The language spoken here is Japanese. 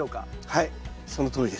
はいそのとおりです。